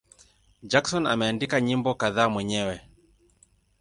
Jackson ameandika nyimbo kadhaa mwenyewe.